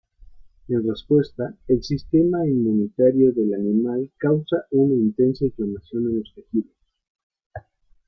En respuesta, el sistema inmunitario del animal causa una intensa inflamación en los tejidos.